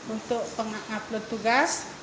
untuk pengupload tugas